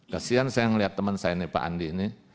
kasian saya melihat teman saya ini pak andi ini